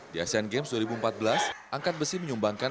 di asean games dua ribu empat belas angkat besi menyumbangkan